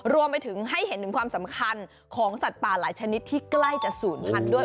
รวมไปถึงให้เห็นถึงความสำคัญของสัตว์ป่าหลายชนิดที่ใกล้จะศูนย์พันธุ์ด้วย